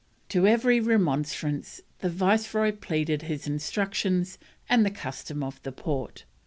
To every remonstrance the Viceroy pleaded his instructions and the custom of the port.